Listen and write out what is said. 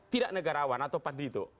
tidak negarawan atau pandito